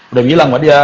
udah bilang ke dia